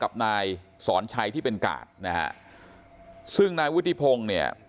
กับนายสอนชัยที่เป็นกาดนะฮะซึ่งนายวุฒิพงศ์เนี่ย